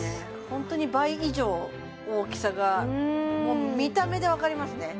ホントに倍以上大きさがもう見た目で分かりますね